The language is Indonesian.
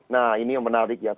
nah ini yang menarik ya